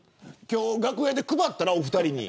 今日、楽屋で配ったらお二人に。